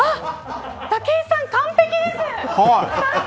武井さん、完璧です。